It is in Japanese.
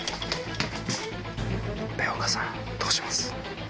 べおかさんどうします？